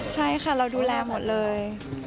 ใช่ค่ะเราดูแลหมดเลย